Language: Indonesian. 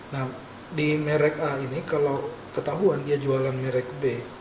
nah di merek a ini kalau ketahuan dia jualan merek b